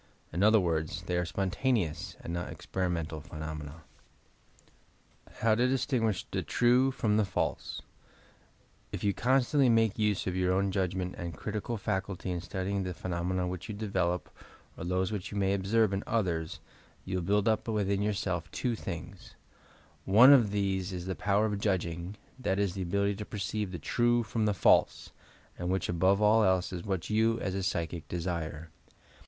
In other words, they are "spontaneous" and not "experimental" phenomena. HOW TO DISTINQinSH THE TBUE FROM THE FALSE If you constantly make use of yout own judgment and critical faculty in studying the phenomena which you develop or those which you may observe in others, you will build up within yourself two things: One ol these is the power of judging, that is the ability to per ceive the true from the false, and which, above ail else, ia what you, as a psychic, desire.